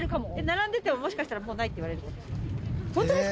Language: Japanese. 並んでてももしかしたら「もうない」って言われるかもしれないですか？